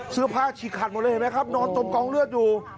เสื้อผ้าชีคันหมดเลยเห็นไหมครับนอนจมกองเลือดอยู่